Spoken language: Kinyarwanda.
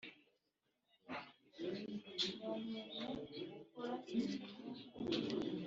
abashinjacyaha bagize ibiro by umushinjacyaha